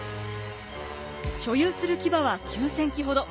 所有する騎馬は９，０００騎ほど。